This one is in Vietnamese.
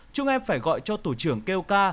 chúng em phải gọi cho tổ trưởng kêu ca